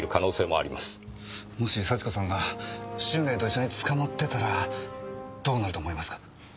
もし幸子さんが春麗と一緒に捕まってたらどうなると思いますか？